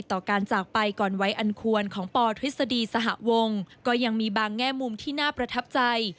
ต่อการจากไปก่อนไว้อันควรของปทฤษฎีสหวงก็ยังมีบางแง่มุมที่น่าประทับใจ